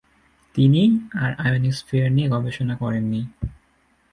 তিনি আর আয়োনোস্ফিয়ার নিয়ে গবেষণা করেন নি।